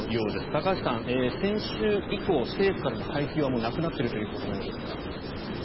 高橋さん、先週以降政府からの配給はなくなっているということのようですが。